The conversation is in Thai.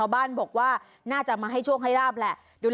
บ้านนี้บ้านใหม่ใช่มั้ย